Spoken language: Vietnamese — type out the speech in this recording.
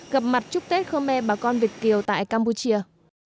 gặp mặt chúc tết khmer bà con việt kiều tại campuchia